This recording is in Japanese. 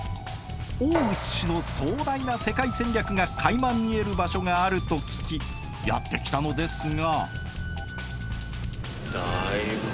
大内氏の壮大な世界戦略がかいま見える場所があると聞きやって来たのですが。